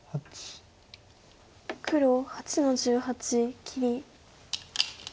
黒８の十八切り。